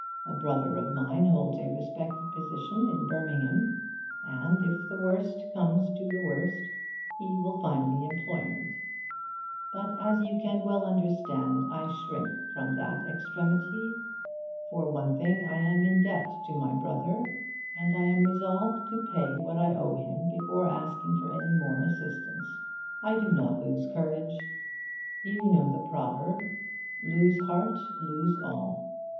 A brother of mine holds a respected position in Birmingham, and, if the worst comes to the worst, he will find me employment. But, as you can well understand, I shrink from that extremity. For one thing, I am in debt to my brother, and I am resolved to pay what I owe him before asking for any more assistance. I do not lose courage. You know the proverb: "Lose heart, lose all."